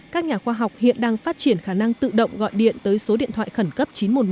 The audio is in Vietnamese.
các nhà khoa học hiện đang phát triển khả năng tự động gọi điện tới số điện thoại khẩn cấp chín trăm một mươi một